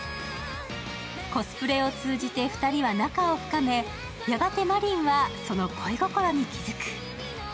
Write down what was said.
コスプレを通じて２人は仲を深めやがて海夢は、その恋心に気づく。